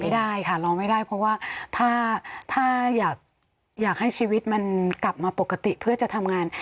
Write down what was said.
ไม่ได้ค่ะรอไม่ได้เพราะว่าถ้าอยากให้ชีวิตมันกลับมาปกติเพื่อจะทำงาน